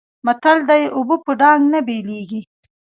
متل دی: اوبه په ډانګ نه بېلېږي.